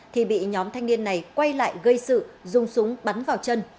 thì bị nhóm thanh niên này quay lại gây sự dùng súng bắn vào chân